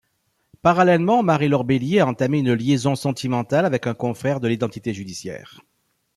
Parallèlement, Marie-Laure Bélier a entamé une liaison sentimentale avec un confrère de l'Identité judiciaire.